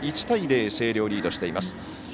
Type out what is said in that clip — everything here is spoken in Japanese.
１対０、星稜リードしています。